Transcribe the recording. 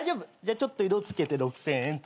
ちょっと色つけて６，０００円と。